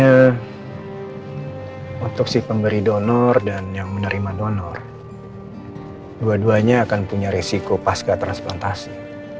kayak hai untuk si pemberi donor dan yang menerima donor dua dua nya akan punya risiko pasca transplantasi